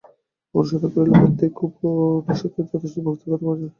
অনুসন্ধান করিলে প্রত্যেক উপনিষদেই যথেষ্ট ভক্তির কথা পাওয়া যায়।